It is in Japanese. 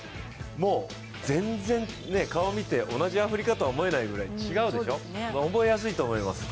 もう全然、顔見て同じアフリカと思えないくらい違うでしょう、覚えやすいと思います。